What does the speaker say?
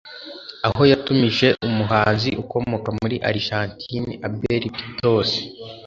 aho yatumije umuhanzi ukomoka muri Argentine Abel Pintos